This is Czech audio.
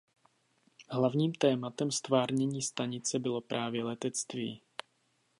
Hlavním tématem ztvárnění stanice bylo právě letectví.